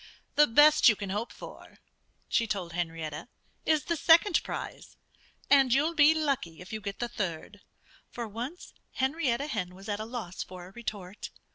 "The best you can hope for," she told Henrietta, "is the second prize. And you'll be lucky if you get the third." For once Henrietta Hen was at a loss for a retort.